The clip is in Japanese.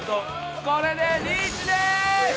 これでリーチです！